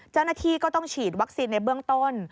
เจ้าหน้าที่ก็ต้องฉีดวัคซีนในเบื้องต้น